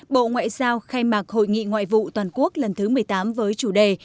bộ ngoại giao khai mạc hội nghị ngoại vụ toàn quốc lần thứ một mươi tám với chủ đề